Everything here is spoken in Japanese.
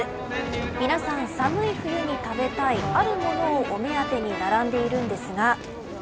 皆さん寒い冬に食べたいあるものをお目当てに並んでいるんですが。